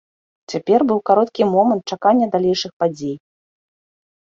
Цяпер быў кароткі момант чакання далейшых падзей.